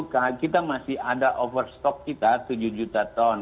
insya allah di dua ribu dua puluh kita masih ada overtok kita tujuh juta ton